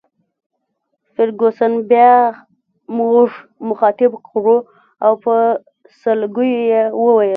فرګوسن بیا موږ مخاطب کړو او په سلګیو یې وویل.